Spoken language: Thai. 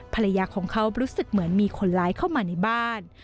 ภรรยาของเขารู้สึกเหมือนมีคนร้ายเข้ามาในบ้าน